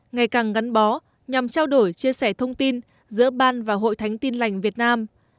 ngày càng gắn bó nhằm trao đổi chia sẻ thông tin giữa ban và hội thánh tin lành việt nam